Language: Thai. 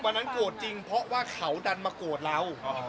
วันนั้นโกรธจริงเพราะว่าเขาดันมาโกรธเรา